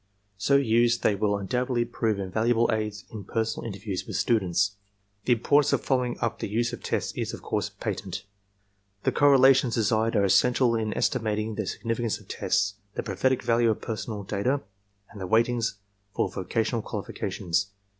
So used they will undoubtedly prove invaluable aids in personal interviews with students. "The importance of following up the use of tests is, of course, patent. The correlations desired are essential in estimating the significance of tests, the prophetic value of personal data and the weightings for vocational qualifications.